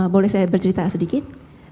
boleh saya bercerita sedikit